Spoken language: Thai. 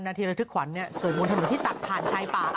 นาทีระทึกขวัญเกิดบนถนนที่ตัดผ่านชายป่า